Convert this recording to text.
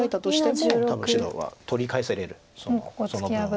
多分白は取り返せれるその分を。